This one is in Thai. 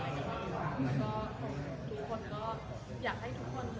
หรือว่ามองด้านลูกไม่เข้าใจเลย